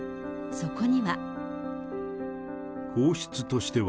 そこには。